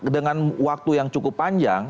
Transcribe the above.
dengan waktu yang cukup panjang